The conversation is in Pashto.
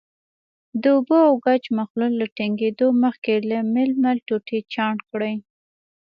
د اوبو او ګچ مخلوط له ټینګېدو مخکې له ململ ټوټې چاڼ کړئ.